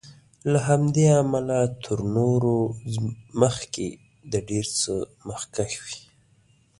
له همدې امله تر نورو مخکې د ډېر څه مخکښ وي.